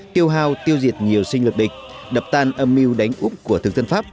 kêu hao tiêu diệt nhiều sinh lực địch đập tan âm mưu đánh úp của thượng dân pháp